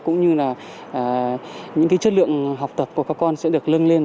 cũng như là những cái chất lượng học tập của các con sẽ được lưng lên